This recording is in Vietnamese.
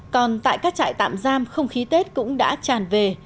còn tại các trại tạm giam không khí tết cũng đã tràn về